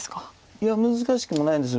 いや難しくもないんです。